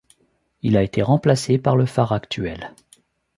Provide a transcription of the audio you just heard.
Il a été remplacé par le phare actuel.